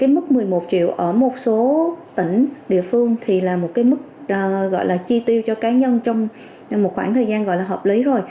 mức một mươi một triệu ở một số tỉnh địa phương thì là mức chi tiêu cho cá nhân trong một khoảng thời gian hợp lý rồi